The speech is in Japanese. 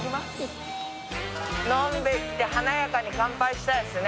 飲んで華やかに乾杯したいですね。